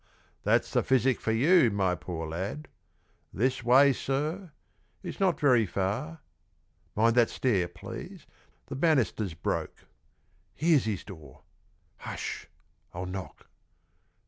That's the physic for you, my poor lad. This way, sir; it's not very far. Mind that stair, please the banister's broke. Here's his door; hush, I'll knock.